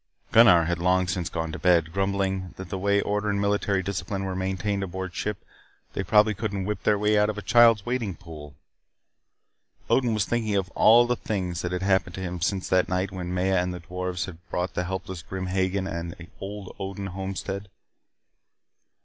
Gunnar had long since gone to bed, grumbling that the way order and military discipline were maintained aboard ship they probably couldn't whip their way out of a child's wading pool. Odin was thinking of all the things that had happened to him since that night when Maya and the dwarfs had brought the helpless Grim Hagen to the old Odin homestead.